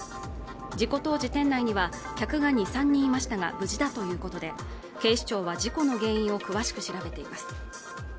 事故当時店内には客が２３人いましたが無事だということで警視庁は事故の原因を詳しく調べています